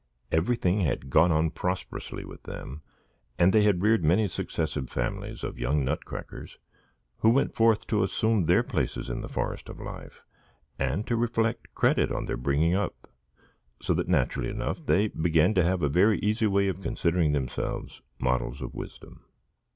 Everything had gone on prosperously with them, and they had reared many successive families of young Nutcrackers, who went forth to assume their places in the forest of life, and to reflect credit on their bringing up,—so that naturally enough they began to have a very easy way of considering themselves models of wisdom.